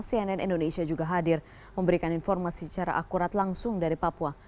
cnn indonesia juga hadir memberikan informasi secara akurat langsung dari papua